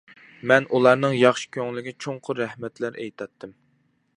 مەن ئۇلارنىڭ ياخشى كۆڭلىگە چوڭقۇر رەھمەتلەر ئېيتاتتىم.